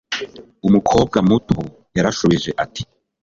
Umukobwa muto yarashubije ati